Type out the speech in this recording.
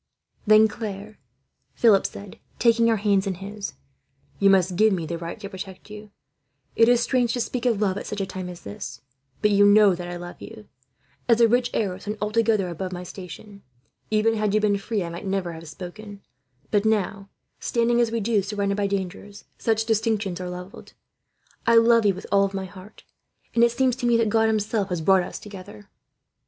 "Then, Claire," Philip said, taking her hands in his, "you must give me the right to protect you. It is strange to speak of love, at such a time as this; but you know that I love you. As a rich heiress, and altogether above my station, even had you been free I might never have spoken; but now, standing as we do surrounded by dangers, such distinctions are levelled. I love you with all my heart, and it seems to me that God, himself, has brought us together."